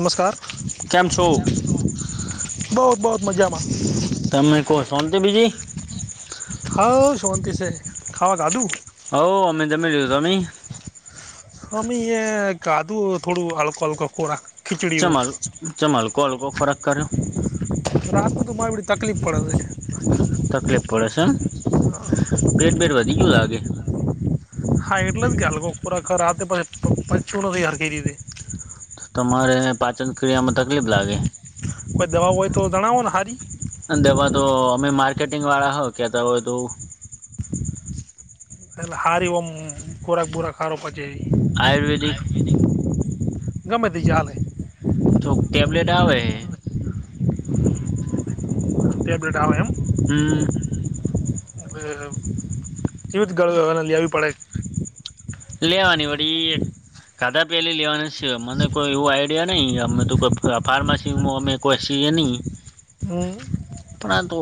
નમસ્કાર કેમ છો બવ બવ મજામાં તમે કો સોનતી બીજી હઓ શોંતિ છે ખાવા ખાધું હઓ અમે જમી લીધું તમે? અમી એ ખાધુ થોડું હલકો હલકો ખોરાક ખીચડી એવું ચમલ ચમલ કો હલ હલકો હલકો ખોરાક કર્યો રાત તોમાંરે બેડી તકલીફ પડે સે તકલીફ પડે છે એમ પેટ બેેટ વધી ગ્યું લાગે. હા ઇટલે જ કે હલકો ખોરાક પચ પચતું નથી હારખરી રિતે તો તમારે પાચન ક્રિયામાં તકલીફ લાગે કોઈ દવા હોય તો જણાવો ને હારી દવા તો અમે માર્કેટિંગ વાળા હો કેતા હોય તો એ હારી ઓમ ખોરાક બોરક હારો પચે આયુર્વેદિક એવી ગમે તે ચાલે ચો ક ટેબલેટ આવે હે ટેબલેટ આવે એમ હમ્મ હ કેવી ગ લેવી પડે લેવાની વડી ખાધા પેલી લેવાની છે મને કોઈ એવું આ નહી અમે તો ફાર્માસી અમે કોએ સીએ નહીં હું પણ તો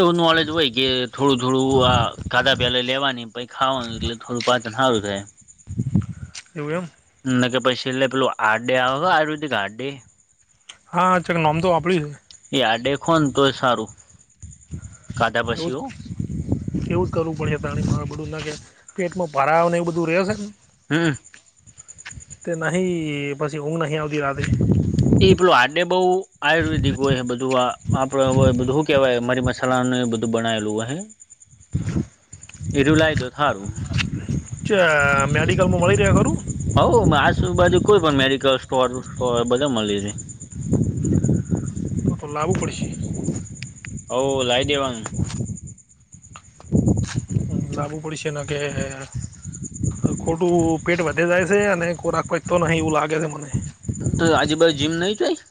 એવું નોલેજ હોય કે થોડું થોડું આ કાધા પેલા લેવાની પછ ખાવાનું એટલે થોડું પાંચન હારુ થાય એવું એમ ના કે પછી એટલે પેલું આારડે આવે હતો આયુર્વેદિક આારડે હા ચક નામ તો હોભરડિયું હે યા દેખો તો એ સારું ખાધા એવું પછી હો એવું જ કરવું પડે કારણ કે મારેં બધું ના કે પેટમાં ભરા આવ ને એ બધું તું રિયો સે હમ તે નહી પછી ઊઘ નહી આવતી રાતેે એ પેલો આરડે બહુ આયુર્વેદિક હોય બધું આપડ હવ હું કેવાય મારી [unintelligible] એરું લઈ દો હારું ચ મેડિકલમાં મળી રહ્યા ખરું હવ આજુ બાજુ કોઈ પણ મેડિકલ સ્ટોર હોય બધે મલી રે છે તો લાવુ પડશે હઓ લાઇ દેવાનું [inaudible] લાવવુ પડસે ન કે ખોટું પેટ વધે જાય છે અને ખોરાક કોઈ તો નહીં એવું લાગે છે મને તો આજૂ બાજ જીમ નહીં ચોય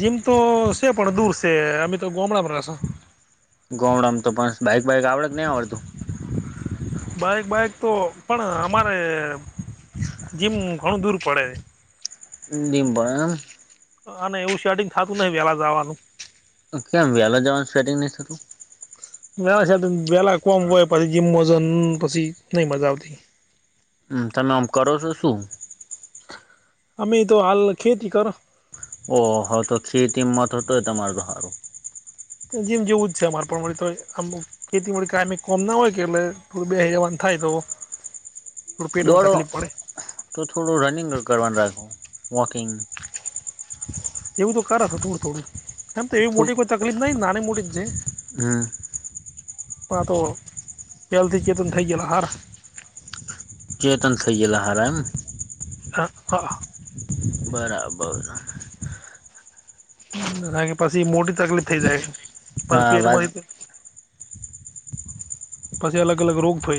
જીમ તો છે પણ દૂર છે અમે તો ગોમડામાં રેછે ગોમડામાં તો પણ બાઈક બાઈક આવડત નહીં આવડતું [inaudible] બાઈક બાઈક તો પણ અમારે જીમ ઘણું દૂર પડે. નિબ [unintelligible] અને એવું શેર્ટિંગ થતું નહિ વહેલા જવાનું. કેમ વ્યાહલો જવાનું સ્વેટિંગ નહી થતું? વેલા કોય પછી જીમજ પછી નઈ મજા આવતી. તમે આમ કરો છો શું? અમે તો હાલ ખેતી કર. ઓ હ તો ખી કિંમત હત એ તમાર તો સારું. જેમ જેવું જ છે અમારે પણમારે તો આમ ખેતીમાંડી કાય કોમ ના હોય કે એટલે થોડું બે હજારવા થાય તો થોડું પેટમાં દોડો તકલીફ પડે [unintelligible] તો થોડું રનિંગ કરવાનું રાખો, વોકિંગ. એવું તો કર હત થોડું થોડું એમ તો, એવી મોટી કોઈ તકલીફ નાહી નાની મોટી જ છે. હમ પા તો બેલથી ચેતન થઈ ગયાલા આ હાર. ચેતન થઈયાલા હારમ. હ હ. બરાબર. કાર કે પછી મોટી તકલીફ થઈ જાય. પછ હા વાત પેટમાંથી પછી અલગ અલગ રોગ થય.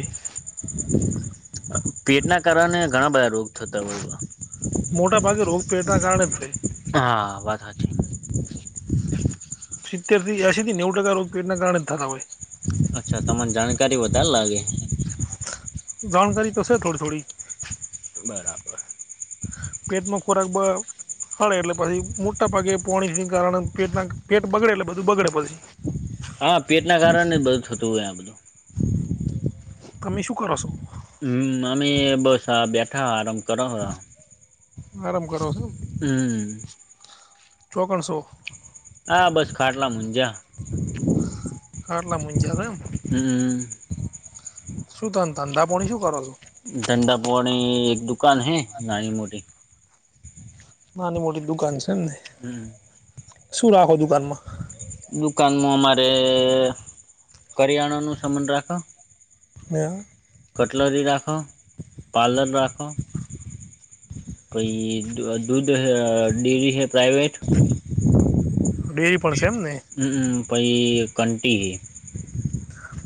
પેટના કારણે ઘણા બધા રોગ થતા હોય. મોટા ભાગે રોગ પેટના કારણે જ થાય. હા વાત હાચી. સિત્તેર થી એશસી થી નેવ ટકા રોગપેટ ના કારણે જ થતા હોય. અચ્છા તમને જાણકારી વધારે લાગે. જાણકારી તશે થોડી થોડી. બરાબર. પદમાં ફરાક બ હળે એટલે પછી મોટા ભાગે પાણી કારણે પેટના પેટ બગડે એટલે બધું બગડે પછી. હા પેટ ના કારણે જ બધું થતું હોય આ બધું. તમે શું કર છો? હમ અમે બસ આ બેઠા આરામ કરાવ. આરામ કરો છો? હમ. ચોગણસો. હા બસ ખાટલા મુજા. આાટલા મજા એમ, શું ત ધંધાપણી શું કરો છો? ધંડાપોરણી એક દુકાન હૈ નાની મોટી. નાની મોટી દુકાન છે એમ ને. હમ. શું રાખો દુકાનમાં? દુકાનમાં અમારે કરિયાણાનું સમાન રાખો. એમ. કટલરી રાખો, પાર્લર રાખો. કોઈ દૂધ ડેરી હૈ પ્રઇવેટ. ડેરી પણ છેમને. પઈ ઘંટી હતી.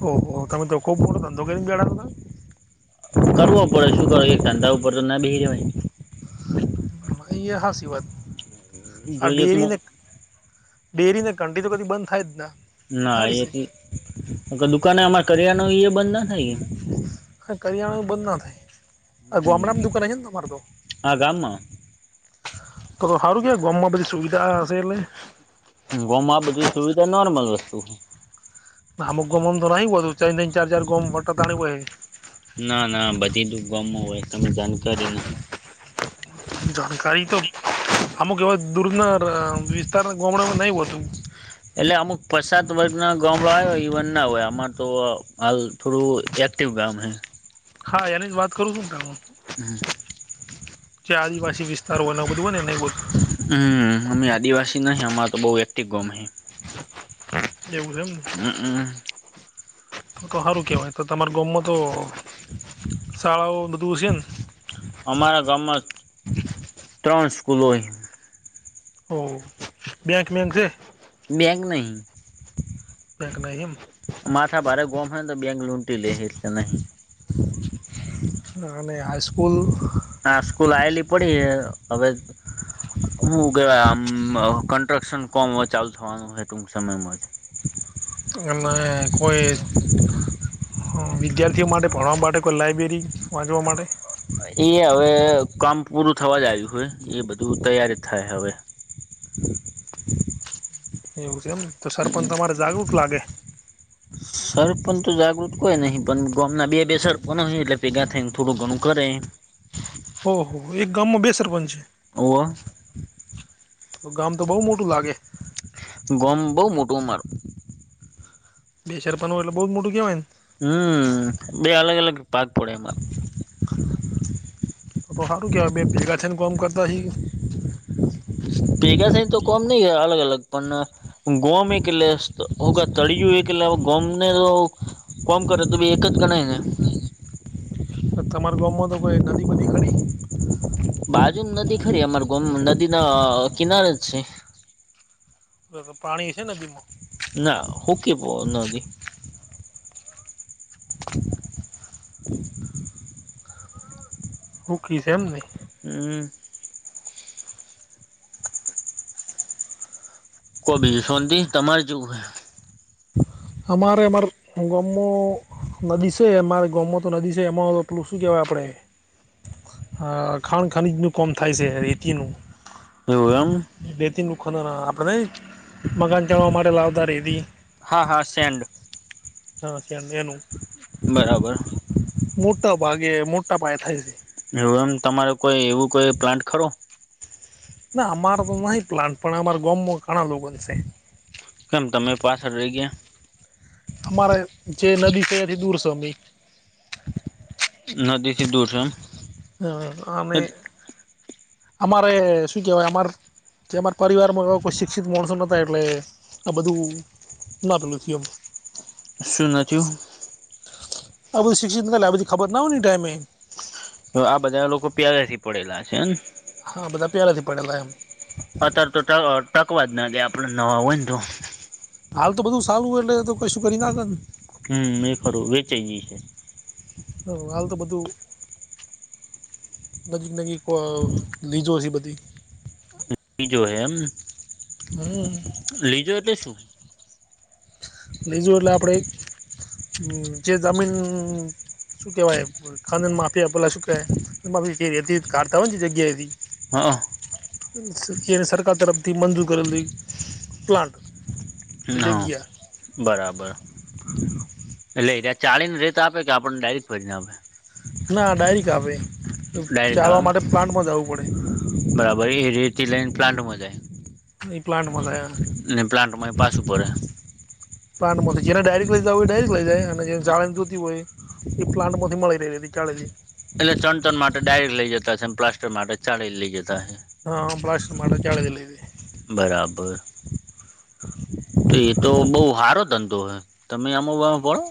ઓહ તમે તો ખુબ મોટો ધંધો કરી ગળો હતો. કરવો પડે શું કરો એક ધંધા ઉપર તો ના બે રવાય. એ હાસિ વાત, આ જોઈ એક ડેરીને ડેરીને ઘંટી તો કી બંધ થાય જ ને. ના એથી દુકાને અમારે કરિયાનુ એ બંધ ના થાય એમ. હા કરિયાણુ બંધ નો થાય. આ હમ ગોમડામાં દુકાન આઈ હે તમારે તો. આ ગામમાં તો હારુ કે ગોમમાં બધી સુવિધા હશે એટલે. ગોમમાં આ બધી સુવિધા નોર્મલ વસ્તુ. અમુક ગોમોમાં તો નઈ બધું. તૈણ-તૈણ, ચાર-ચાર ગોમ ભટકવાનું હોય. ના ના બધી જ ગોમમાં હોય તમને જાણકારી નથી. જાણકારી તો અમુક એવા દૂરના વિસ્તાર ગોમડા માં નહી હતું. એટલે અમુક પસાત વર્ગના ગોમડો આયો ઇવન ના હોય આમાં તો હાલ થોડું એક્ટિવ ગામ હે. હા એની જ વાત કરું છું ને ત હું. હ. જ્યાં આદિવાસી વિસ્તારો બધું હો ને ને એ બધું. હમ અમે આદિવાસી નહી અમાર તો બહઉ એકટીવ ગોમ હે. એવું છે એમને. હમ્મ. હમ્મ. તોગોમમાં હારુ કેવાય તો તમાર ગોમમાં તો, સાવ ને બધું સેન. અમારા ગામમાં ત્રણ સ્કૂલ હોય. ઓ બેંક મેન છે. બેંક નહી. બેંક નહી એમ. માથા ભારે ગોમ હેન તો બેંક લૂંટી લે એટલે નહી. અને હાઈસ્કૂલ. હા સ્કૂલ આએલી પડી હવે. હું કેવાય આમ કન્સ્ટ્રક્શન કોમ ચાલુ થવાનું હે ટુંક સમયમાં જ. અને કોઈ હા વિદ્યાર્થીઓ માટે ભણવા માટે કોઈ લાઇબ્રેરી વાંચવા માટે. એ હવે કામ પૂરું થવા જ આવ્યું હોય એ બધું તૈયારી થાય હવે. [inaudible] એવું છે એમ. તો સરપંચ હમ્મ તમારે જાગૃત હ. લાગે સરપંચ તો જાગૃત કોય નહી પણ ગામના બે-બે સરપંચ હોય એટલે ભેગા થઈને થોડું ઘણું કરે. ઓહ એક ગામમાં બે સરપંચ છે. ઓવ ગામ તો બહું મોટું લાગે. ગોમ બહુ મોટુ અમારું. બે સરપંચ હોય એટલે બહુ મોટું કહેવાયને. હમ્મ બે અલગ-અલગ પાર્ટ પડે એમા. તો તો હારુ કેવાય બે ભેગા થઇ ને કોમ કરતા હી. ભેગા થઈ તો કોમ નહી અલગ-અલગ પણ ગોમ એક એટલે તળિયું એક. એટલે ગોમને તો કોમ કરે તો બી એક જ ગણાય ને. તમારા ગોમમાં તો કોઈ નદી બધી ખરી. બાજુમાં નદી ખરી અમારૂ ગોમ નદીના કિનારે જ છે. તો તો પાણી હઈશે નદીમાં. ના હુકી પો નદી. [inaudible] [inaudible] હુકી છે એમ ને. હમ્મ. કો બીજું શોંતિ તમારે જેવું હે અમારે એમારા ગોમમો નદી છે અમારે ગોમમાં તો નદી છે એમાં પેલું શું કેહેવાય આપડે. હ ખાણ ખનીજનું કોમ થાય છે રેતીનું. એવું એમ. રેતી મૂકવાનું આપડે નય મકાન ચાડવા માટે લાવતા રેતી હા હા સેન્ડ. હા સ્યામ્યાનું બરાબર. મોટા ભાગે મોટા પાયે થાય છે. એવું એમ તમારે કોઈ એવું કોઈ પ્લાન્ટ ખરો. ના અમાર તો નહિ પ્લાટ પણ અમાર ગોમમાં ઘણા લોકો ને છે. કેમ તમે પાછળ રહી ગયા. અમારે જે નદી છે એથી દૂર છે અી. નદીથી દૂર છે એમ. હા આમે અમારે એ શું કહેવાય અમાર જે અમારા પરિવારમાં એવા કોઈ શિક્ષિત માણસો નતા એટલે આ બધું નાટ લું થમ શું નથયુ આ બધું શિક્ષિતધી ખબર ના હોય ને ઈ ટાઈમે. તો આ બધા લોકો પ્યારથી પડેલા છે એમ. હા બધા પેલે થી પડેલા એમ. અત્યારે તો તક ટકવા જ ના દે આપડે નવા હોય ને તો. હાલ તો બધું સારું હો એટલે તો કશું કરી નાખે ને. હમમ એ ખરું વેચાઈ જઈ છે. હા હાલ તો બધું નજીક નજીક પો લીજો છે બધી. લીજો એમ હમ લીજો એટલે શું? લીજું એટલે આપડે જે જમીન શું કેવાય ખાન માફી પેલા શું કેહેય એમ કય રેતી કાઢતા હોય ને તે જગ્યા એ થી હા. એને સરકાર તરફથી મંજૂર કરેલી પ્લાન્ટ થોડી ના જગ્યા બરાબર એટલે ત્યા ચાલીને રેટ આપે કે આપણને ડાયરેક્ટ ભરીને આપે. ના ડાયરકેટ આવે. ડાયરેક્ટ આવે એમ બરાબર એ રેતી લઈને પ્લાન્ટમાં જાય એ પ્લાન્ટમાં જાય એમ ને પ્લાન્ટમાં થી પાછું પડે. પણ માં જેને ડાયરેક્ટ લઈ જવું હોય ડાયરેક્ટ લઈ જાય અને થી હોય એ પ્લાન્ટમાં થી મળી રહી હતી. ચાળ એટલે ચણતર માટે ડાયરેક્ટ લઈ જતા હસે ને પ્લાસ્ટર માટે ચાળી ને લઈ જતા હસે. હા પલાસ્ટ્ટર માટે ચાડી ને લય જાય. બરાબર તો એતો બો સારો ધંધો હે. તમે આમાં બો બણ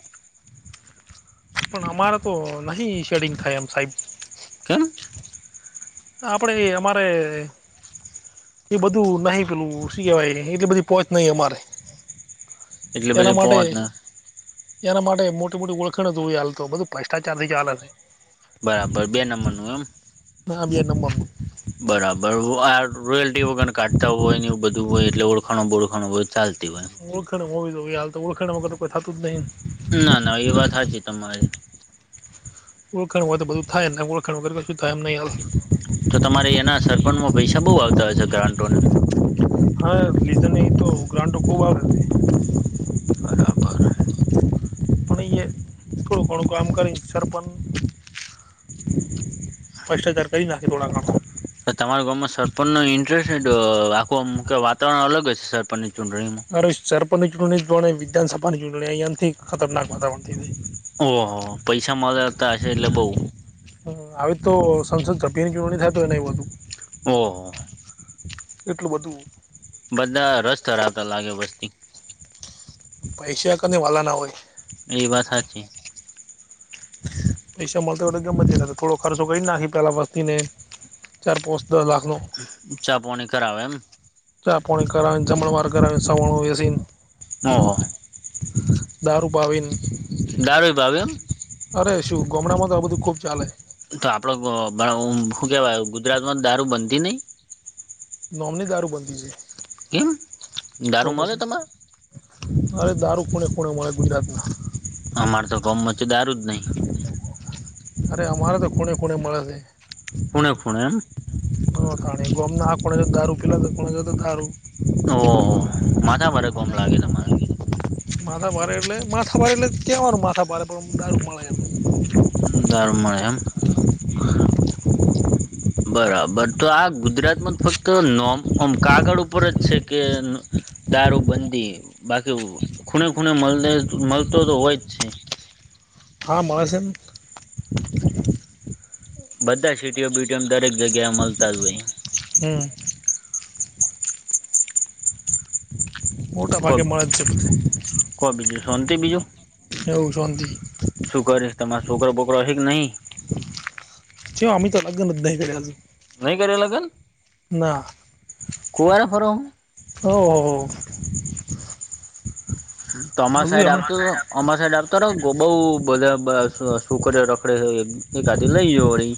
પણ અમારા તો નહી શેડિંગ થાય એમ સાહેબ કેમ? આપડે અમારે એ બધું નહિ પેલું શી કેવાય એટલી બધી પોહોચ નય અમારે. એટલે એના બધી માટે પહોંચને એના માટે મોટી મોટી ઓળખણો ધોડી હાલતો બધું ભ્રષ્ટાચારથી ચાલે હ બરાબર બે નંબરનું એમ. હા બે નબર નું. બરાબર આ રોયલ્ટી વગર કાઢતા હોય ને એ બધું હોય એટલે ઓળ ઓખાણ, બોળખણ ઓય ચાલતી એમ. ઓળખણ હોવી જો હ તો ઓળખણ વગર કોઈ થતું જ નહી. ના ના એ વાત સાાચી તમારે. ઓળખણ હોય તો બધું થાય ને ઓળખણ વગર કું થાય એમ નહી હ. તો તમારે એના સરપંચમાં પૈસા બહુ આવતા હોય છે ગ્રાન્ટોને હા રીઝ નહી તો ગ્રાન્ટો ખૂબ આવે છે. બરાબર અને થોડું ઘણુ આમ કર સરપંચ. ભ્રષ્ટાચાર કરી નાખે થોડા કામ તમારા ગામમાં સરપંચ નો ઇન્ટરેસ્ટ છે. આખું અમક વાતાવરણ અલગ છે સરપંચની ચૂંટણીનું. મા સરપંચની ચૂંટણી જ વિધાનસભાની ચંટણી અહીંયાથી ખતરનાક વાતારણ થઈજાય. ઓહ હો પૈસા માંલતા હશે એટલે બઉ. જાય આવી તો સંસદ સભ્ય ની ચુંંટણી થાય તોય નેય હોય. ઓહ એટલું બધું બધા રસ ધરાવતા લાગે વસ્તી પૈસા કને વાલા ના હોય.? એ વાથ હાચી. પૈસા મળતા હોય તો ગમે જ, થોડો ખર્ચો કરી નાખી પેલા વસ્તીને ચાર પાંચ દ લાખનો ચા પોણી કરાવે એમ ચા પાણી કરાવે, જમણવાર કરાવે, સવાણુ વ બેસીન ઓહ દારૂ પાવીન દારૂ ભાવે એમ અરે શું ગમડામાં તો આ બધું ખૂબ ચાલે. તો આપડો શું કેવાય? ગુજરાતમાં જ દારૂ બનતી નહી.? નોમની દારૂ બંધી છે. એમ તો દારૂ મળે પછી તમારે? અરે દારૂ ખુણે ખુણે મળે ગુજરાતમાં. અમારે તો ગોમ મા તો દારું જ નહીં. અરે અમારે તો ખૂણે ખૂણે મળે છે અયા ફૂણે ફૂણે એમ? હ તા ગોમ ના આ ખુણે કો દારૂ પલા તો કોણે જા તો ધારું. ઓહ માથા ભરે ગમ લાગે તમારે? માથા ભારે એટલે માથા ભારે એટલે કેવાનું માથા પારે પણ દારૂ મળે. દર મળે એમ.? બરાબર તો આ ગુજરાતમાં ફક્ત તો નોમ આમ કાગળ ઉપર જ છે કે દારૂ બંધી, બાકી ખૂણે ખૂણે મળ મળતો તો હોય જ છે. હા માળ સે ને. બધા સિટીઓ બીટીઓ દરેક જગ્યા મળતા જ હોય. હમ મોટા હોય ભાગે મળળચ છે બધે. કો બીજું શાંતિ બીજું એધ [inaudible] શું કરેશ? તમારો છોકરા બોકરા છે કે નહી? છવ અમે તો અ લગન જ ન ઈ કરી આજ નહી કરે લગન? ના કુંવારા ફરો આમ. ઓ હો હો તો અમર સાઈડ આવ તો અમાર સાઈડ આવતો ર ગોબઉ બધા બ છોકર્યો રખડે છે એકાદી લઈ યો વળી.